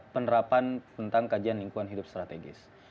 penerapan tentang kajian lingkungan hidup strategis